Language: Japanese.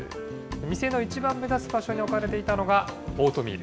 店の一番目立つ場所に置かれていたのが、オートミール。